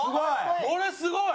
これすごい！